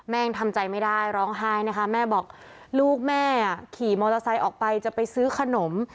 ยังทำใจไม่ได้ร้องไห้นะคะแม่บอกลูกแม่ขี่มอเตอร์ไซค์ออกไปจะไปซื้อขนม